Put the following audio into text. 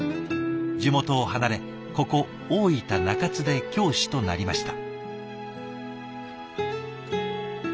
地元を離れここ大分・中津で教師となりました。